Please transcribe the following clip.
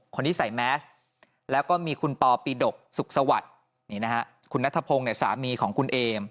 คนนี้ใส่แมสแล้วก็มีคุณปอปีดกสุขสวัสดิ์นี่นะฮะคุณนัทพงศ์เนี่ยสามีของคุณเอม